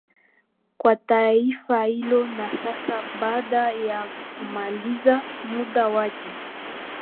kwa taifa hilo na sasa baada ya kumaliza muda wake